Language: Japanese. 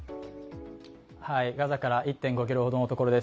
ガザから１．５ｋｍほどのところで。